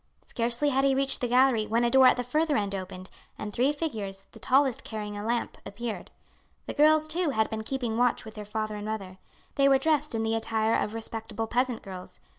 Scarcely had he reached the gallery when a door at the further end opened, and three figures, the tallest carrying a lamp, appeared. The girls, too, had been keeping watch with their father and mother. They were dressed in the attire of respectable peasant girls.